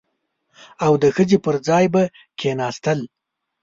او د ښځې پر ځای به کښېناستل.